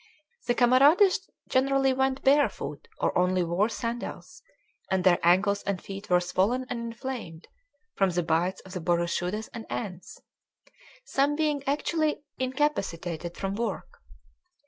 The camarades generally went barefoot or only wore sandals; and their ankles and feet were swollen and inflamed from the bites of the boroshudas and ants, some being actually incapacitated from work.